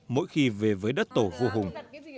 mỗi khi về với đất tổ vua hùng